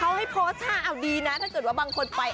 เขาให้โพสต์ท่าเอาดีนะถ้าเกิดว่าบางคนไป